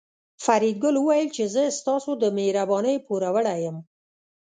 فریدګل وویل چې زه ستاسو د مهربانۍ پوروړی یم